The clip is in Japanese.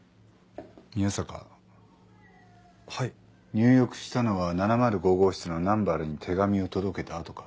入浴したのは７０５号室の南原に手紙を届けた後か？